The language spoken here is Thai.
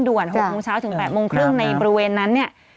๖โมงเช้าถึง๘โมงครึ่งในบริเวณนั้นเนี่ย